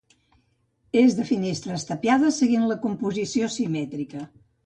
És de finestres tapiades seguint la composició simètrica.